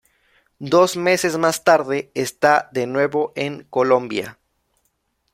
Dos meses más tarde está de nuevo en Colombia.